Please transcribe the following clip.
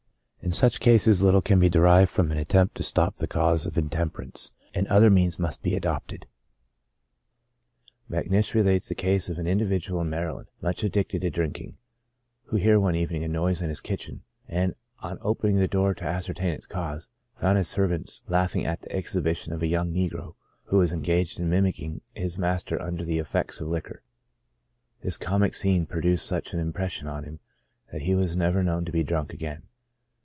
In such cases little can be derived from an attempt to stop the cause of intemper ance, and other means must be adopted. Macnish relates the case of an individual in Maryland, much addicted to drinking, who heard one evening a noise in his kitchen, and, on opening the door to ascertain its cause, found his servants laughing at the exhibition of a young negro, who was en gaged in mimicking his master under the effects of liquor ; this comic scene produced such an impression on him that he was never known to be drunk again.